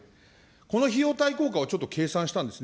この費用対効果をちょっと計算したんですね。